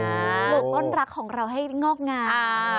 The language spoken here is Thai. ปลูกต้นรักของเราให้งอกงาม